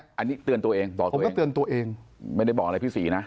อันนี้เตือนตัวเองบอกตัวเองไม่ได้บอกอะไรพี่ศรีนะ